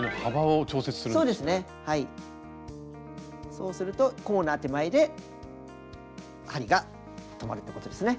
そうするとコーナー手前で針が止まるってことですね。